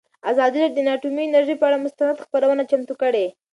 ازادي راډیو د اټومي انرژي پر اړه مستند خپرونه چمتو کړې.